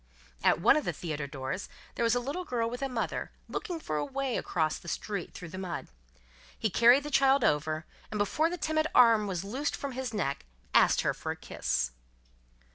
At one of the theatre doors, there was a little girl with a mother, looking for a way across the street through the mud. He carried the child over, and before the timid arm was loosed from his neck asked her for a kiss.